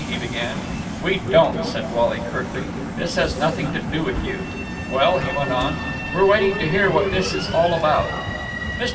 he began. "We don't," said Wally curtly. "This has nothing to do with you. Well," he went on, "we're waiting to hear what this is all about." Mr.